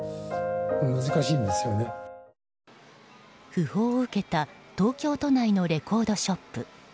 訃報を受けた東京都内のレコードショップ。